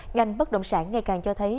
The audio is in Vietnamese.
ngành bất đồng sản ngày càng cho thấy